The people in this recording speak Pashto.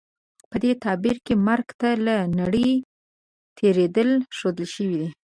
په دې تعبیر کې مرګ ته له نړۍ تېرېدل ښودل شوي.